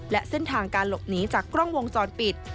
และเส้นทางการหลบหนีจากกล้องวงจรปิด